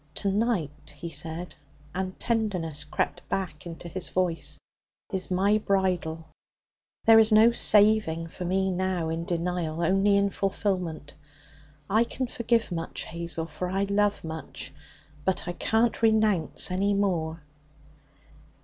'To night,' he said, and tenderness crept back into his voice, 'is my bridal. There is no saving for me now in denial, only in fulfilment. I can forgive much, Hazel, for I love much. But I can't renounce any more.'